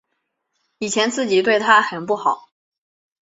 以前自己对她很不好